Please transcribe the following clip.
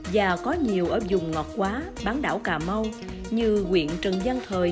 và có nhiều ở dùng ngọt quá bán đảo cà mau như quyện trần văn thời u minh thới bình